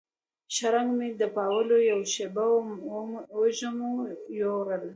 شرنګ مې د پاولو یوه شیبه وه وږمو یووړله